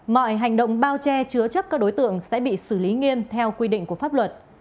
mọi hành động bao che chứa chấp các đối tượng sẽ bị xử lý nghiêm theo quy định của pháp luật